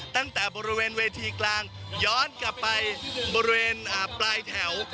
ตั้งแต่บริเวณเวทีกลางย้อนกลับไปบริเวณปลายแถว